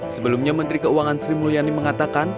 sebelumnya menteri keuangan sri mulyani mengatakan